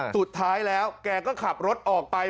สุดท้ายแล้วแกก็ขับรถออกไป